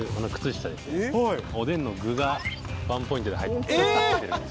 おでんの具がワンポイントで入ってるんですけど。